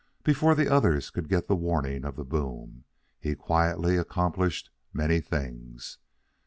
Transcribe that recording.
Before the others could get the warning of the boom, he quietly accomplished many things.